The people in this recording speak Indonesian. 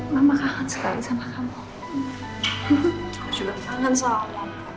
tapi itu bener tempat ikbal